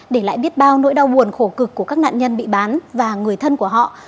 để lại biết bao nỗi đau buồn khổ cực của các nạn nhân bị bán và người thân của họ